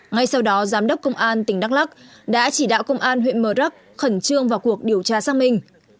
ngay sau đó giám đốc công an tỉnh đắk lắc đã chỉ đạo công an huyện mờ rắc khẩn trương vào cuộc điều tra xác minh